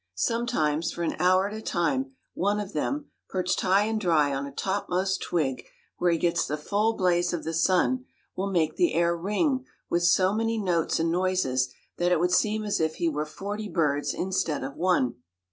Sometimes, for an hour at a time, one of them, perched high and dry on a topmost twig, where he gets the full blaze of the sun, will make the air ring with so many notes and noises, that it would seem as if he were forty birds instead of one.